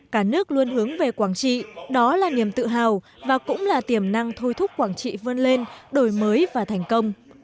cả nước luôn hướng về quảng trị đó là niềm tự hào và cũng là tiềm năng thôi thúc quảng trị vươn lên đổi mới và thành công